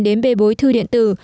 đến bê bối thư điện tử